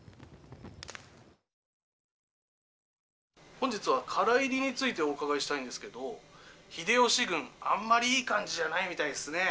「本日は唐入りについてお伺いしたいんですけど秀吉軍あんまり良い感じじゃないみたいですね」。